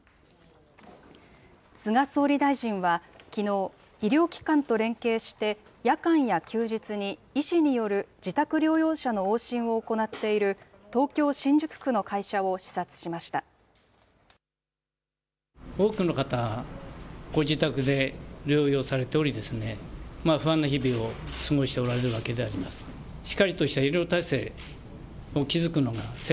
菅総理大臣は、きのう、医療機関と連携して、夜間や休日に医師による自宅療養者の往診を行っている東京・新宿区の会社を視察しました。